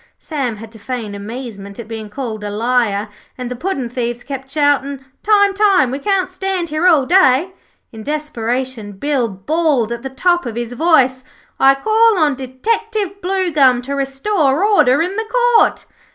Sam had to feign amazement at being called a liar, and the puddin' thieves kept shouting: 'Time, time; we can't stand here all day.' In desperation, Bill bawled at the top of his voice: 'I call on Detective Bluegum to restore order in the Court.'